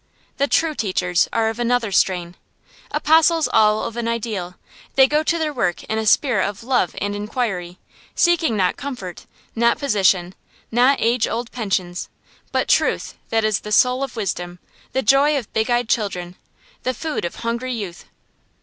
The true teachers are of another strain. Apostles all of an ideal, they go to their work in a spirit of love and inquiry, seeking not comfort, not position, not old age pensions, but truth that is the soul of wisdom, the joy of big eyed children, the food of hungry youth.